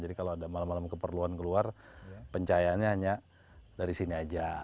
kalau ada malam malam keperluan keluar pencahayaannya hanya dari sini aja